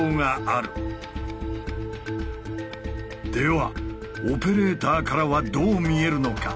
ではオペレーターからはどう見えるのか。